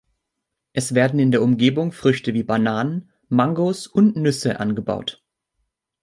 Es werden in der Umgebung Früchte wie Bananen, Mangos und Nüsse angebaut.